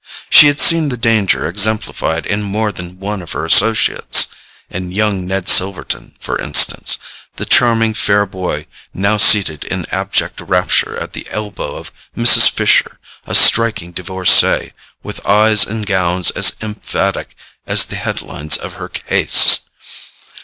She had seen the danger exemplified in more than one of her associates—in young Ned Silverton, for instance, the charming fair boy now seated in abject rapture at the elbow of Mrs. Fisher, a striking divorcee with eyes and gowns as emphatic as the head lines of her "case."